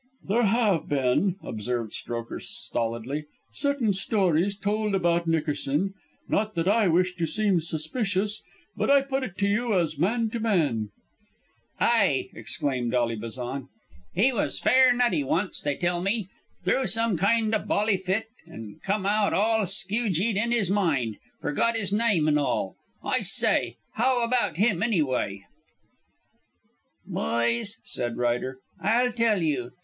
"There have been," observed Strokher stolidly, "certain stories told about Nickerson. Not that I wish to seem suspicious, but I put it to you as man to man." "Ay," exclaimed Ally Bazan. "He was fair nutty once, they tell me. Threw some kind o' bally fit an' come aout all skew jee'd in his mind. Forgot his nyme an' all. I s'y, how abaout him, anyw'y?" "Boys," said Ryder, "I'll tell you.